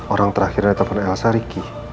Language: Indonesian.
orang terakhir yang ditelepon elsa ricky